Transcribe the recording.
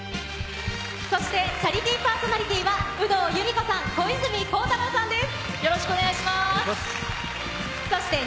そしてチャリティーパーソナリティーは有働由美子さん、小泉孝太郎さんです。